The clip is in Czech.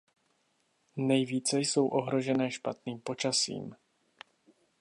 Nejvíce jsou ohrožené špatným počasím.